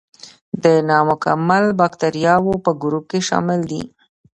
د نامکمل باکتریاوو په ګروپ کې شامل دي.